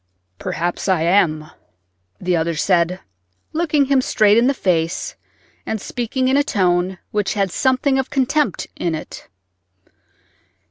"Perhaps I am," the other said, looking him straight in the face and speaking in a tone which had something of contempt in it.